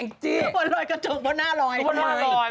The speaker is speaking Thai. โอ้ววันรอยกระทงก็นะลอยเลยทำไมอ่ะแห้งจี๊